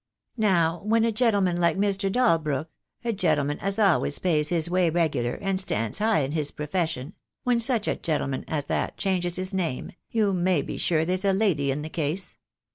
Now, when a gentleman like Mr. Dalbrook — a gentleman as always pays his way regular, and stands high in his profession — when such a gentleman as that changes his name, you may be sure there's a lady in the case.